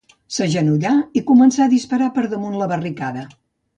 S'agenollà i començà a disparar per damunt la barricada